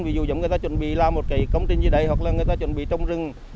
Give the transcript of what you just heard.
ví dụ giống người ta chuẩn bị làm một cái công trình gì đấy hoặc là người ta chuẩn bị trồng rừng